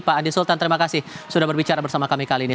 pak andi sultan terima kasih sudah berbicara bersama kami kali ini